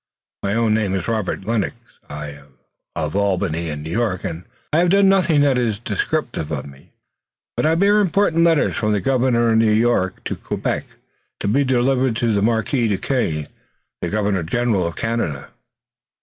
My own name is Robert Lennox, of Albany and New York, and I have done nothing that is descriptive of me, but I bear important letters from the Governor of New York to Quebec, to be delivered to the Marquis Duquesne, the Governor General of Canada."